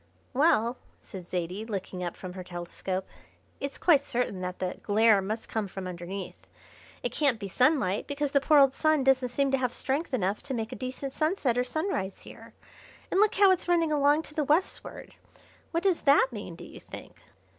"Well," said Zaidie, looking up from her telescope, "it's quite certain that the glare must come from underneath. It can't be sunlight, because the poor old Sun doesn't seem to have strength enough to make a decent sunset or sunrise here, and look how it's running along to the westward! What does that mean, do you think?"